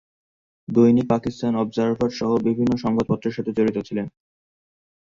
দৈনিক পাকিস্তান অবজারভার সহ বিভিন্ন সংবাদপত্রের সাথে জড়িত ছিলেন।